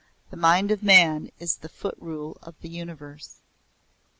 "The mind of man is the foot rule of the universe."